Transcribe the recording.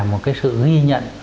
một cái sự ghi nhận